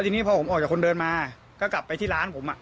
เด้อทีเนี่ยนี่พอผมออกจากคนเดินมาก็กลับไปที่ร้านผมอ่ะ